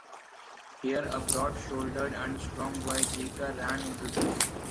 Here a broad-shouldered and strong boy Geika ran into them.